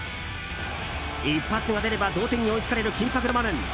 一発が出れば同点に追いつかれる緊迫の場面。